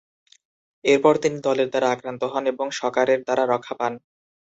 এরপর তিনি দলের দ্বারা আক্রান্ত হন এবং শকারের দ্বারা রক্ষা পান।